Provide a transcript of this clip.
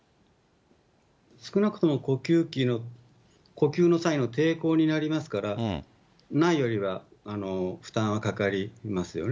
少なくとも呼吸の際の抵抗になりますから、ないよりは負担はかかりますよね。